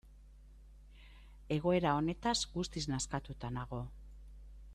Egoera honetaz guztiz nazkatuta nago.